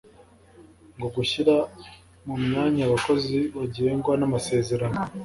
no gushyira mu myanya abakozi bagengwa n’amasezerano